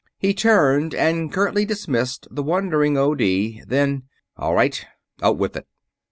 He turned and curtly dismissed the wondering O.D. Then: "All right! Out with it!"